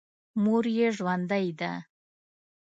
مور یې ژوندۍ ده.